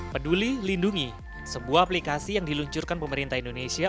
peduli lindungi sebuah aplikasi yang diluncurkan pemerintah indonesia